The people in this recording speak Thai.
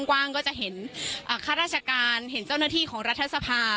กว้างก็จะเห็นข้าราชการเห็นเจ้าหน้าที่ของรัฐสภา